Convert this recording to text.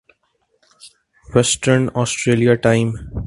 western Australia time